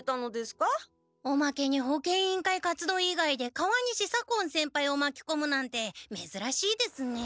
おまけに保健委員会活動いがいで川西左近先輩をまきこむなんてめずらしいですね。